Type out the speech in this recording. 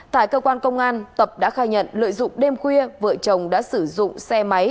tại cơ quan công an tập đã khai nhận lợi dụng đêm khuya vợ chồng đã sử dụng xe máy